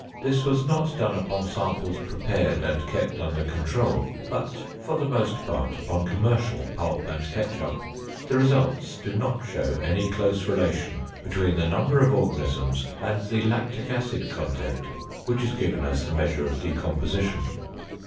This was not done upon samples prepared and kept under control, but for the most part upon commercial pulp and ketchup. The results do not show any close relation between the number of organisms and the lactic acid content which is given as the measure of decomposition.